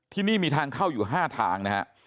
ที่นี่มีทางเข้าอยู่๕ทางนะฮะ